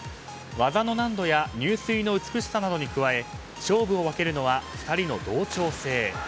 技の難度や入水の美しさなどに加え勝負を分けるのは２人の同調性。